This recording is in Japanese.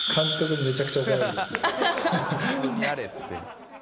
「普通にやれっつって」